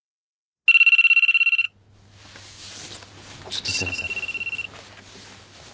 ちょっとすいません。